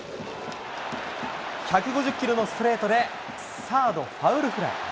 １５０キロのストレートでサードファウルフライ。